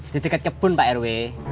di dekat kebun pak rw